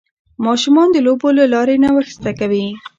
ماشومان د لوبو له لارې نوښت زده کوي.